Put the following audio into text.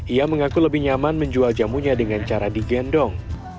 ia mengaku lebih nyaman menjual jamunya dengan cara digendong